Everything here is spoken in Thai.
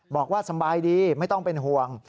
บอกว่าสบายดีไม่ต้องเป็นห่วง